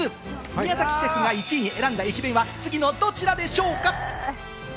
宮崎シェフが１位に選んだ駅弁は次のどちらでしょうか？